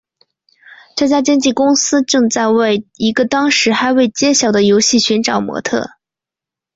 这家经纪公司正在为一个当时还未揭晓的游戏寻找模特儿。